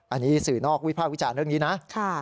อันนี้สื่อนอกวิภาควิจารณ์เรื่องนี้นะ